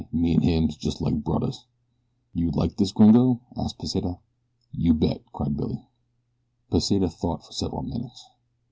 Why, me an' him's just like brudders." "You like this gringo?" asked Pesita. "You bet," cried Billy. Pesita thought for several minutes.